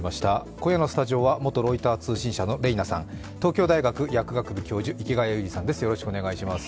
今夜のスタジオは元ロイター通信社のＲＥＩＮＡさん、東京大学薬学部教授、池谷裕二さんです。